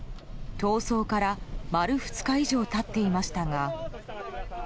逃走から丸２日以上経っていましたが。